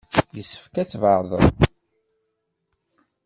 Yessefk ad tbeɛdeḍ.